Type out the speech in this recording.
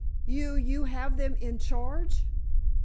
"You—you have them in charge?"